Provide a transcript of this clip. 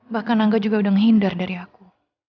bahkan angga juga udah ngehindar dari aku